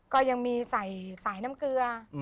ก็ยังมีใส่สายน้ำเกลือ